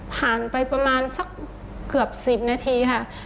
ผ่านไปประมาณสักเกือบ๑๐นาทีค่ะ